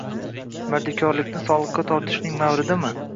Mardikorni soliqqa tortishning mavridimi?